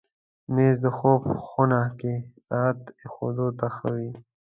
مېز د خوب خونه کې ساعت ایښودو ته ښه وي.